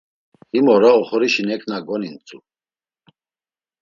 Himora oxorişi neǩna gonintzu.